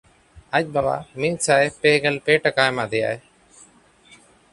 ᱟᱡ ᱵᱟᱵᱟ ᱢᱤᱫᱥᱟᱭ ᱯᱮᱜᱮᱞ ᱯᱮ ᱴᱟᱠᱟ ᱮᱢᱟ ᱫᱮᱭᱟᱭ᱾